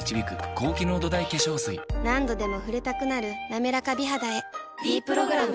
何度でも触れたくなる「なめらか美肌」へ「ｄプログラム」